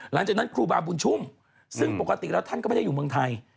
หลังจากนั้นครูบาบุญชุ่มซึ่งปกติแล้วท่านก็ไม่ได้อยู่เมืองไทย